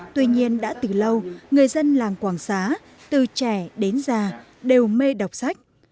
tuy nhiên đã từ lâu người dân làng quảng xá từ trẻ đến già đều mê đọc sách